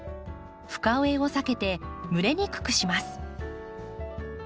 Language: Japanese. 深植えを避けて蒸れにくくします。